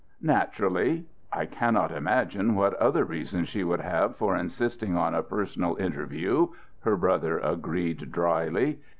"Naturally. I cannot imagine what other reason she could have for insisting on a personal interview," her brother agreed, dryly.